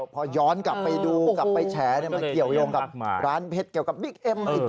พอย้อนกลับไปดูกลับไปแฉมันเกี่ยวยงกับร้านเพชรเกี่ยวกับบิ๊กเอ็ม